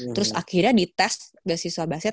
terus akhirnya di tes beasiswa basket